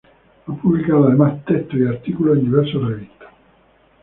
Ha publicado además textos y artículos en diversas revistas.